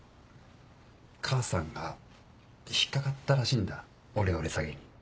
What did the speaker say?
母さんが引っ掛かったらしいんだオレオレ詐欺に。